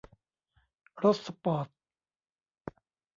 รถสปอร์ต